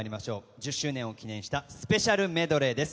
１０周年を記念したスペシャルメドレーです。